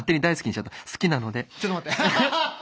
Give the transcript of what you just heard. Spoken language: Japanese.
ちょっと待ってハハハ！